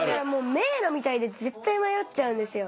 迷路みたいで絶対迷っちゃうんですよ。